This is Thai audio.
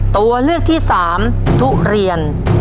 ตัวเลือกที่๓ทุเรียน